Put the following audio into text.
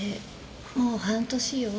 もう半年よ。